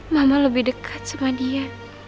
mama lebih dekat sama dia